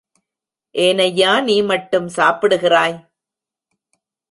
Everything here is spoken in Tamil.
ஏனய்யா நீமட்டும் சாப்பிடுகிறாய்?